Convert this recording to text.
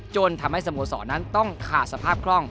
จนทำให้สโมสรนั้นต้องขาดสภาพคล่อง